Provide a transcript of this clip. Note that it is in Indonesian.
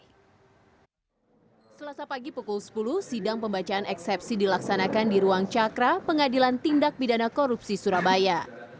selasa pagi pukul sepuluh sidang pembacaan eksepsi dilaksanakan di ruang cakra pengadilan tindak pidana korupsi surabaya